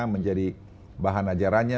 menjadi bahan ajarannya